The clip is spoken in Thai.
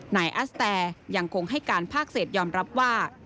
นายอัสแตยังคงให้การภาคเศษยอมรับว่า